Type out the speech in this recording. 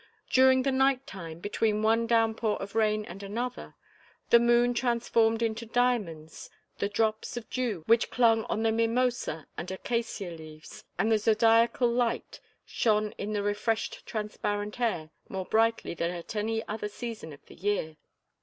During the night time, between one downpour of rain and another, the moon transformed into diamonds the drops of dew which clung on the mimosa and acacia leaves, and the zodiacal light shone in the refreshed transparent air more brightly than at any other season of the year.